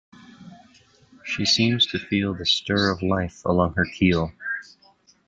She seems to feel The stir of life along her keel.